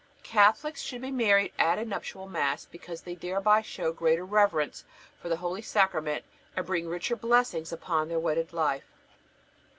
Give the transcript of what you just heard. Catholics should be married at a nuptial Mass, because they thereby show greater reverence for the holy Sacrament and bring richer blessings upon their wedded life.